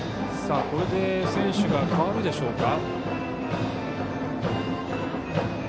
これで選手が代わるでしょうか。